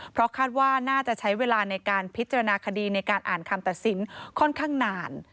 เพราะคาดว่าน่าจะใช้เวลาในการพิจารณาคดีในการอ่านคำตัดสินค่อนข้างนาน